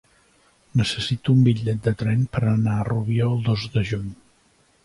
Necessito un bitllet de tren per anar a Rubió el dos de juny.